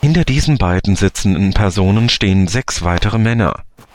Hinter diesen beiden sitzenden Personen stehen sechs weitere Männer.